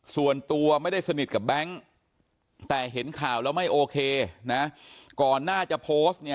ส่วนตัวไม่ได้สนิทกับแบงค์แต่เห็นข่าวแล้วไม่โอเคนะก่อนหน้าจะโพสต์เนี่ย